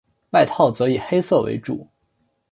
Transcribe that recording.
外套则以黑色为主。